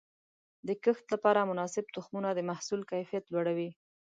د کښت لپاره مناسب تخمونه د محصول کیفیت لوړوي.